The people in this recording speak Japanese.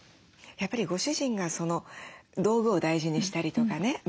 やっぱりご主人が道具を大事にしたりとかね